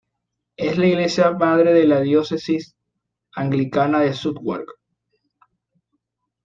Es la iglesia madre de la diócesis anglicana de Southwark.